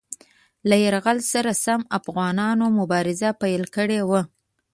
له یرغل سره سم افغانانو مبارزه پیل کړې وه.